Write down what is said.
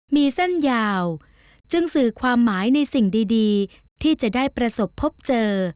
มีเส้นยาวจึงสื่อความหมายในสิ่งดีที่จะได้ประสบพบเจอ